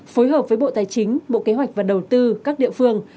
phối hợp với bộ tài chính bộ kế hoạch và đầu tư các địa phương